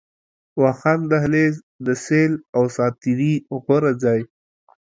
واخان دهلېز، د سيل او ساعتري غوره ځای